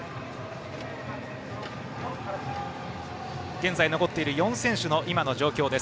現在残っている４選手の今の状況です。